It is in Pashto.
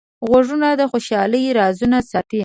غوږونه د خوشحالۍ رازونه ساتي